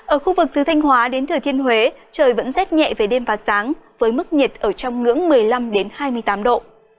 ở khu vực từ thanh hóa đến thừa thiên huế trời vẫn rét nhẹ về đêm và sáng với mức nhiệt ở trong ngưỡng một mươi năm hai mươi tám độ